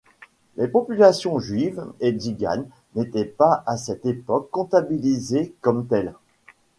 Les populations juive et tsigane n'étaient pas à cette époque comptabilisées comme telles.